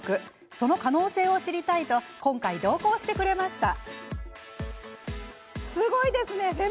その可能性を知りたいと今回、同行してくれました。